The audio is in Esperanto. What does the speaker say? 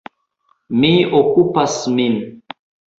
Mi okupas min.